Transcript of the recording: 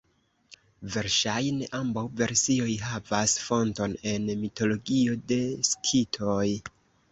Verŝajne ambaŭ versioj havas fonton en mitologio de Skitoj.